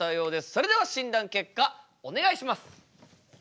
それでは診断結果お願いします！